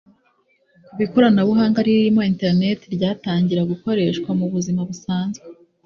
Kuva ikoranabuhanga ririmo interineti ryatangira gukoreshwa mu buzima busanzwe